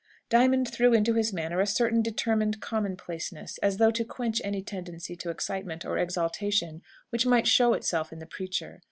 Diamond threw into his manner a certain determined commonplaceness, as though to quench any tendency to excitement or exaltation which might show itself in the preacher.